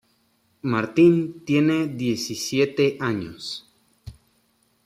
Martín tiene diecisiete años.